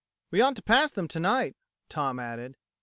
"We ought to pass them tonight," Tom added.